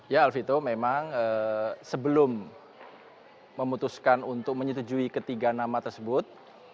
ya alfito memang sebelum memutuskan untuk menyetujui ketiga nama tersebut